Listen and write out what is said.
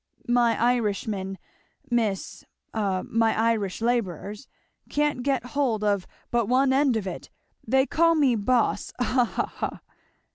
"My Irishmen, Miss a my Irish labourers, can't get hold of but one end of it; they call me Boss ha, ha, ha!"